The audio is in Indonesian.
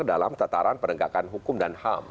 dalam tataran penegakan hukum dan ham